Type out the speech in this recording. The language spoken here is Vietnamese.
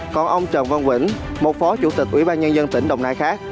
còn ông trần văn quỳnh một phó chủ tịch ủy ban nhân dân tỉnh đồng nai khác